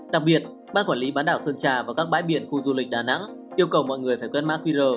đặc biệt ban quản lý bán đảo sơn trà và các bãi biển khu du lịch đà nẵng yêu cầu mọi người phải quét mã qr